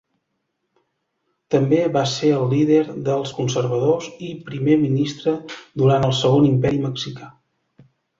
També va ser el líder dels conservadors i Primer Ministre durant el Segon Imperi Mexicà.